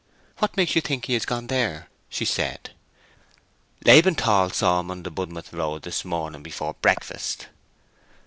"What makes you think he has gone there?" she said. "Laban Tall saw him on the Budmouth road this morning before breakfast."